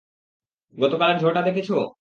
গতকালের ঝড়টা দেখেছ?